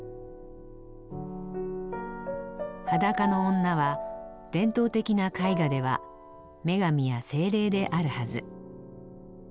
裸の女は伝統的な絵画では女神や精霊であるはず。